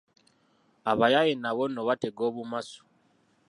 Abayaaye nabo nno batega obumasu!